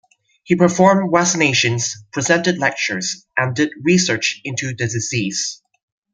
He performed vaccinations, presented lectures and did research into the disease.